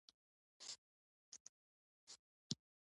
د علامه رشاد لیکنی هنر مهم دی ځکه چې تاریخپوه دی.